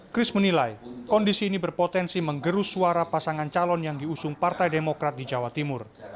chris menilai kondisi ini berpotensi menggerus suara pasangan calon yang diusung partai demokrat di jawa timur